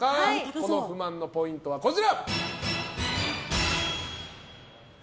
この不満のポイントはこちら。